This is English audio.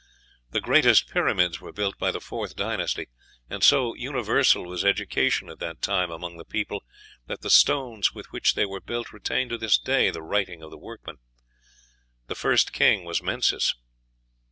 The greatest pyramids were built by the Fourth Dynasty, and so universal was education at that time among the people that the stones with which they were built retain to this day the writing of the workmen. The first king was Menes.